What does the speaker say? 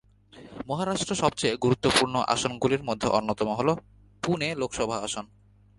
মহারাষ্ট্র সবচেয়ে গুরুত্বপূর্ণ আসনগুলির মধ্যে অন্যতম হল পুনে লোকসভা আসন।